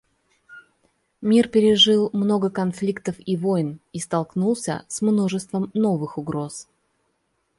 Мир пережил много конфликтов и войн и столкнулся с множеством новых угроз.